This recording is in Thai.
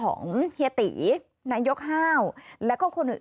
ฟังเสียงลูกจ้างรัฐตรเนธค่ะ